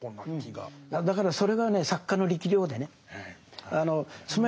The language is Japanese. だからそれがね作家の力量でね。